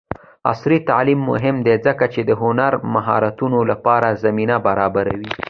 عصري تعلیم مهم دی ځکه چې د هنري مهارتونو لپاره زمینه برابروي.